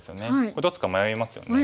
これどっちか迷いますよね。